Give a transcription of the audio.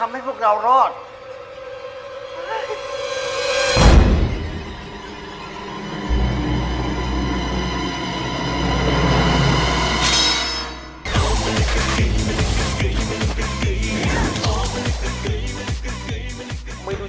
แม้สิ้นลมหายใจก็รักเธอ